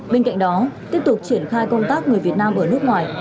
bên cạnh đó tiếp tục triển khai công tác người việt nam ở nước ngoài